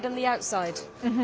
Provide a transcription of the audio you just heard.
うん。